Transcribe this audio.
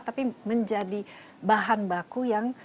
tapi menjadi bahan baku yang